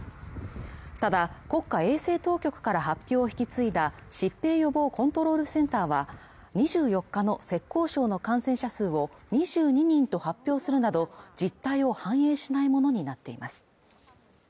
ただ国家衛生当局から発表を引き継いだ疾病予防コントロールセンターは２４日の浙江省の感染者数を２２人と発表するなど実態を反映しないものになっています